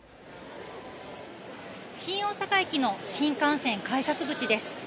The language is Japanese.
新大阪駅の新幹線改札口です。